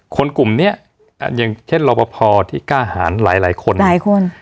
คนกลุ่มเนี้ยอย่างเช่นรอบพอที่กล้าหารหลายคนหลายคน